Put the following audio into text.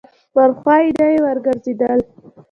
پر خوا یې نه یې ورګرځېدل.